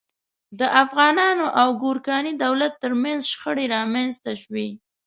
د افغانانو او ګورکاني دولت تر منځ شخړې رامنځته شوې.